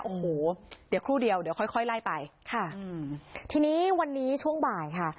โอ้โหเดี๋ยวครู่เดียวเดี๋ยวค่อยค่อยไล่ไปค่ะอืมทีนี้วันนี้ช่วงบ่ายค่ะ